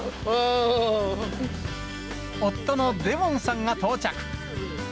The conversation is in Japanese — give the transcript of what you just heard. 夫のデヲォンさんが到着。